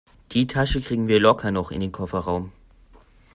Die Tasche kriegen wir locker noch in den Kofferraum.